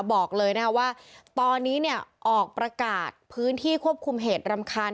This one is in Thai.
บอกเลยนะคะว่าตอนนี้เนี่ยออกประกาศพื้นที่ควบคุมเหตุรำคาญ